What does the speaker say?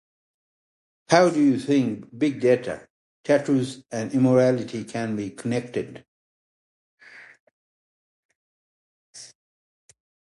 How do you think big data, tattoos and immortality can be connected?